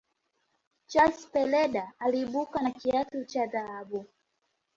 chus pereda aliibuka na kiatu cha dhahabu